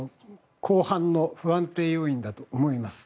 後半の不安定要因だと思います。